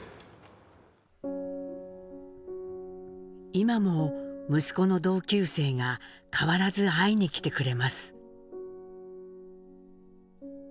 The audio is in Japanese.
今も息子の同級生が変わらず会いに来てくれます。